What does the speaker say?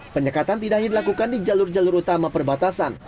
penyekatan tidak hanya dilakukan di jalur jalur utama perbatasan